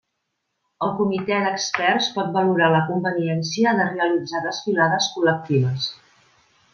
El comitè d'experts pot valorar la conveniència de realitzar desfilades col·lectives.